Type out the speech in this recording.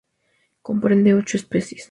Comprende ocho especies.